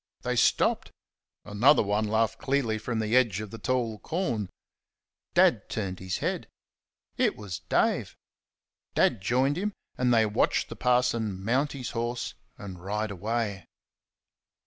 They stopped. Another one laughed clearly from the edge of the tall corn. Dad turned his head. It was Dave. Dad joined him, and they watched the parson mount his horse and ride away.